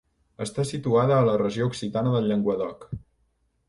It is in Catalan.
Està situada a la regió occitana de Llenguadoc.